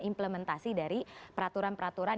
implementasi dari peraturan peraturan